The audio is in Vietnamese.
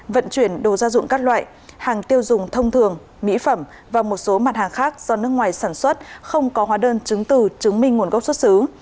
vận chuyển đồ gia dụng các loại hàng tiêu dùng thông thường mỹ phẩm và một số mặt hàng khác do nước ngoài sản xuất không có hóa đơn chứng từ chứng minh nguồn gốc xuất xứ